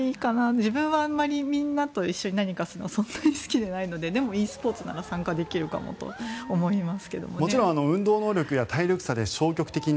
自分はあんまりみんなと何かをするのは好きじゃないのででもｅスポーツなら参加できるかもと思います。